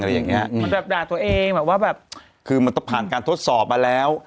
อย่างเงี้ยมันแบบด่าตัวเองแบบว่าแบบคือมันต้องผ่านการทดสอบมาแล้ว